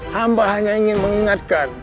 hamba hanya ingin mengingatkan